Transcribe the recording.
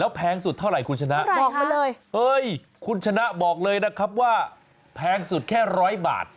แล้วแพงสุดเท่าไหร่คุณชนะคุณชนะบอกเลยนะครับว่าแพงสุดแค่๑๐๐บาท